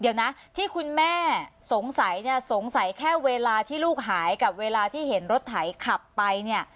เดี๋ยวนะที่คุณแม่สงสัยเนี่ยสงสัยแค่เวลาที่ลูกหายกับเวลาที่เห็นรถไถขับไปเนี่ย